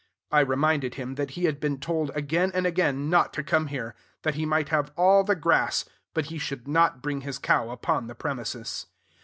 I reminded him that he had been told again and again not to come here; that he might have all the grass, but he should not bring his cow upon the premises.